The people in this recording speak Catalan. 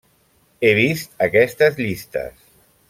He vist aquestes llistes.